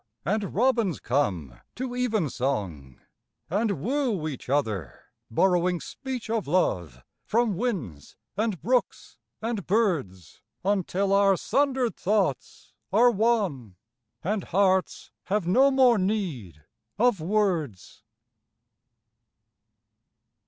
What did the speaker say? And robins come to evensong, And woo each other, borrowing speech Of love from winds and brooks and birds, Until our sundered thoughts are one And hearts have no more need of words.